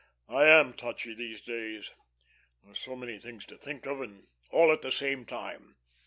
"I am touchy these days. There's so many things to think of, and all at the same time.